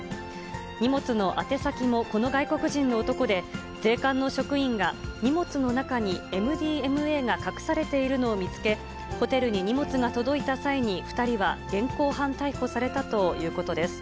荷物の宛先もこの外国人の男で、税関の職員が、荷物の中にＭＤＭＡが隠されているのを見つけ、ホテルに荷物が届いた際に、２人は現行犯逮捕されたということです。